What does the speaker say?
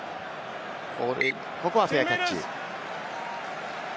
ここはフェアキャッチ。